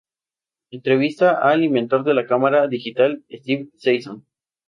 Entrevista al inventor de la cámara digital, Steve Sasson